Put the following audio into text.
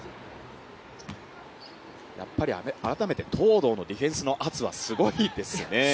やっぱり改めて東藤のディフェンスの圧はすごいんですね。